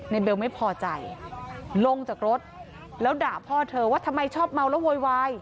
เบลไม่พอใจลงจากรถแล้วด่าพ่อเธอว่าทำไมชอบเมาแล้วโวยวาย